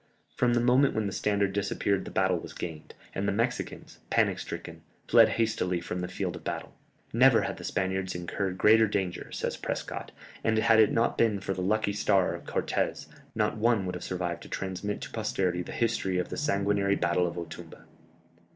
From the moment when the standard disappeared the battle was gained, and the Mexicans, panic stricken, fled hastily from the field of battle. "Never had the Spaniards incurred greater danger," says Prescott, "and had it not been for the lucky star of Cortès, not one would have survived to transmit to posterity the history of the sanguinary battle of Otumba."